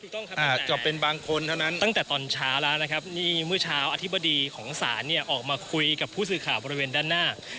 อาจจะเป็นบางคนเท่านั้นตั้งแต่ตอนเช้าแล้วนะครับนี่เมื่อเช้าอธิบดีของศาลเนี่ยออกมาคุยกับผู้สื่อข่าวบริเวณด้านหน้า